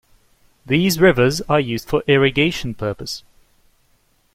These rivers are used for irrigation purpose.